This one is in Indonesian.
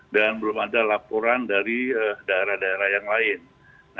dan belum ada laporan dari daerah daerah yang lain ya